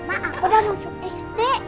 omad aku udah masuk iste